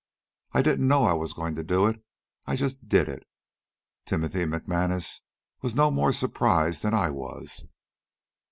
I didn't know I was going to do it. I just did it. Timothy McManus was no more surprised than I was."